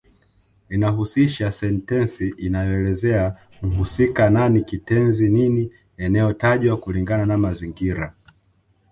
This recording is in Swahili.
Linahusisha sentensi inayoelezea mhusika nani kitenzi nini eneo tajwa kulingana na mazingira